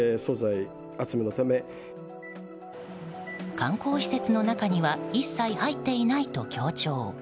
観光施設の中には一切入っていないと強調。